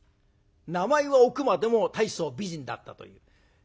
名前はおくまでも大層美人だったという。